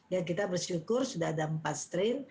ya kita bersyukur sudah ada empat strain